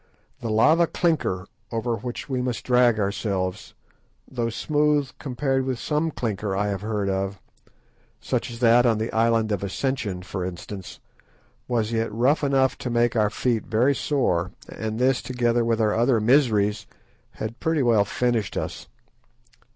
The lava clinker, over which we must drag ourselves, though smooth compared with some clinker I have heard of, such as that on the Island of Ascension, for instance, was yet rough enough to make our feet very sore, and this, together with our other miseries, had pretty well finished us.